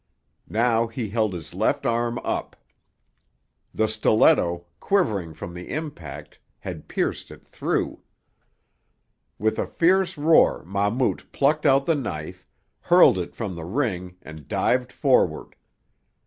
Now he held his left arm up. The stiletto, quivering from the impact, had pierced it through. With a fierce roar Mahmout plucked out the knife, hurled it from the ring and dived forward.